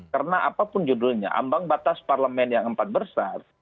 karena apapun judulnya ambang batas parlemen yang empat besar